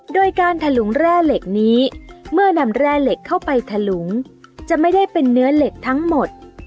โดยการถลุงแร่เหล็กนี้เมื่อนำแร่เหล็กเข้าไปถลุงจะไม่ได้เป็นเนื้อเหล็กทั้งหมด